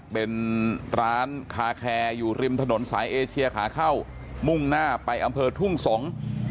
เป็นร้านคาแคร์อยู่ริมถนนสายเอเชียขาเข้ามุ่งหน้าไปอำเภอทุ่งสงศ์